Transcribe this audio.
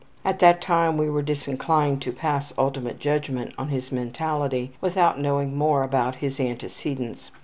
At that time we were disinclined to pass ultimate judgment on his mentality without knowing more about his antecedents.